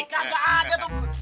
kaga ada tuh